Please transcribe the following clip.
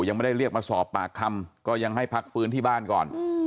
ยังไม่ได้เรียกมาสอบปากคำก็ยังให้พักฟื้นที่บ้านก่อน